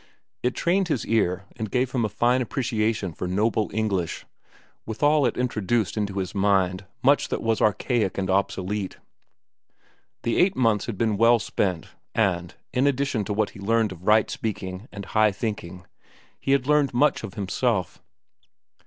It trained his ear and gave him a fine appreciation for noble English; withal it introduced into his mind much that was archaic and obsolete. The eight months had been well spent, and, in addition to what he had learned of right speaking and high thinking, he had learned much of himself.